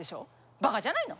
ばかじゃないの！？